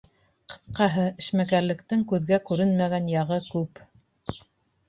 Ҡыҫҡаһы, эшмәкәрлектең күҙгә күренмәгән яғы күп.